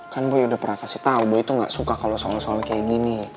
kan boy udah pernah kasih tahu bahwa itu gak suka kalau soal soal kayak gini